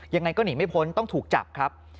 ยังไงก็หนีไม่พ้นต้องถูกจับครับ